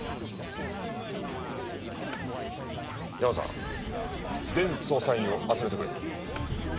ヤマさん全捜査員を集めてくれ。